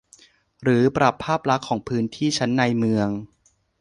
หรือปรับภาพลักษณ์ของพื้นที่ชั้นในเมือง